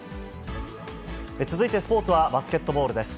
続いてスポーツはバスケットボールです。